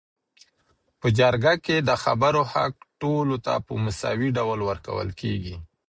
په جرګه کي د خبرو حق ټولو ته په مساوي ډول ورکول کيږي